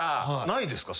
ないですか？